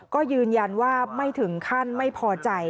ก็ยืนยันว่าไม่ถึงขั้นไม่พอใจ